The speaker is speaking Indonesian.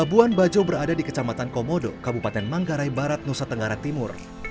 labuan bajo berada di kecamatan komodo kabupaten manggarai barat nusa tenggara timur